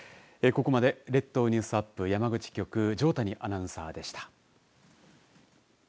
ここまで列島ニュースアップ山口局条谷アナウンサーでした。